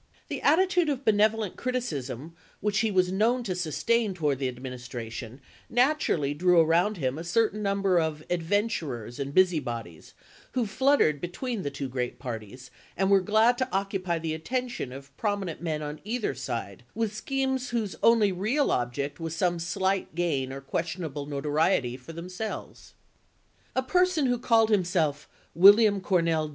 The attitude of benevo lent criticism which he was known to sustain to wards the Administration naturally drew around him a certain number of adventurers and busy bodies, who fluttered between the two great parties, and were glad to occupy the attention of promi nent men on either side with schemes whose only real object was some slight gain or questionable notoriety for themselves. HORACE GREELEY'S PEACE MISSION 185 A person who called himself " William Cornell chap.